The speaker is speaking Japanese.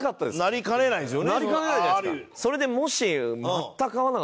なりかねないじゃないですか。